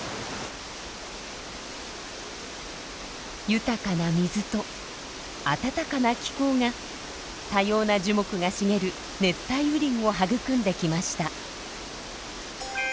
豊かな水と暖かな気候が多様な樹木が茂る熱帯雨林を育んできました。